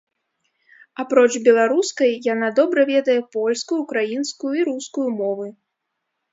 Апроч беларускай, яна добра ведае польскую, украінскую і рускую мовы.